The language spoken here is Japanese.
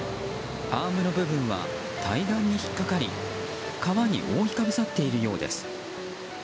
アームの部分は対岸に引っ掛かり川に覆いかぶさっているようです。